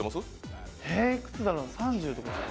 いくつだろう３０とかですか？